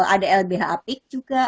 ada lbh apik juga